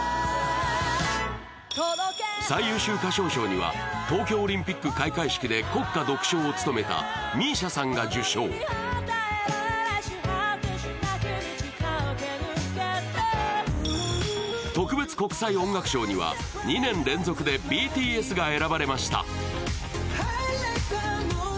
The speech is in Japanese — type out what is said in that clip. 最優秀歌唱賞には東京オリンピック開会式で国歌独唱を務めたＭＩＳＩＡさんが受賞特別国際音楽賞には２年連続でＢＴＳが選ばれました。